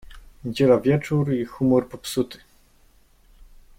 Niedziela wieczór i humor popsuty.